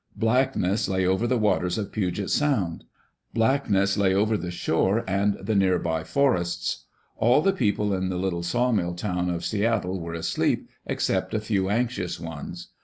Blac^ess lay over the waters of Puget Sound; blackness lay over the shore and the near by for ests. All the people in the little sawmill town of Seattle were asleep, except a few anxious ones.